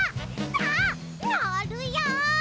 さあのるよ！